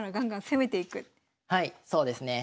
はいそうですね。